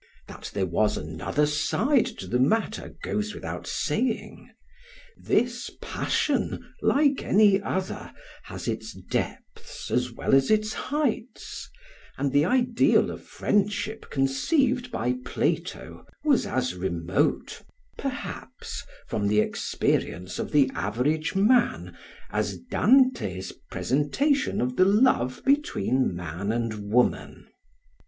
That there was another side to the matter goes without saying. This passion, like any other, has its depths, as well as its heights; and the ideal of friendship conceived by Plato was as remote, perhaps, from the experience of the average man, as Dante's presentation of the love between man and woman.